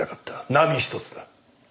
何一つだ。